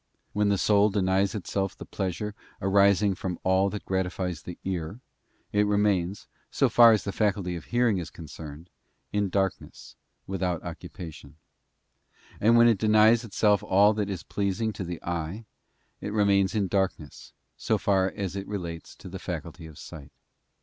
When the soul denies itself the pleasure arising from all that gratifies the ear, it remains, so far as the faculty of hearing is concerned, in darkness, without occu pation ; and when it denies itself in all that is pleasing to the eye, it remains in darkness, so far as it relates to the faculty of sight.